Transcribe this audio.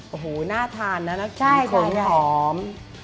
โอ้โหน่าทานนะขนหอม